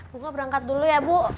buku berangkat dulu ya bu